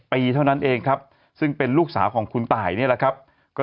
ปีเท่านั้นเองครับซึ่งเป็นลูกสาวของคุณตายนี่แหละครับก็